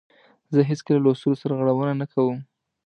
زه هیڅکله له اصولو سرغړونه نه کوم.